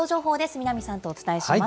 南さんとお伝えします。